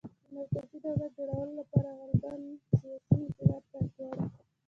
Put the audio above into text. د مرکزي دولت جوړولو لپاره غالباً سیاسي انقلاب ته اړتیا ده